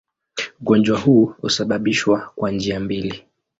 Ugonjwa huu husababishwa kwa njia mbili.